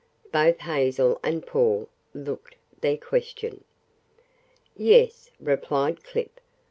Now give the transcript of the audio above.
Both Hazel and Paul looked their question. "Yes," replied Clip.